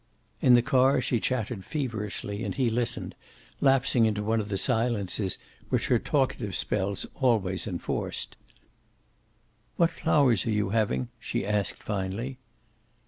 In the car she chattered feverishly and he listened, lapsing into one of the silences which her talkative spells always enforced. "What flowers are you having?" she asked, finally.